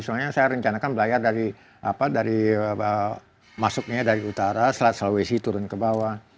soalnya saya rencanakan belajar dari masuknya dari utara selat sulawesi turun ke bawah